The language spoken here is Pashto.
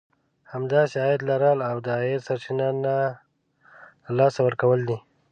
همداسې عايد لرل او د عايد سرچينه نه له لاسه ورکول دي.